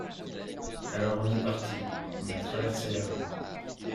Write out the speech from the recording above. Alors on est partis, on a traversé la rue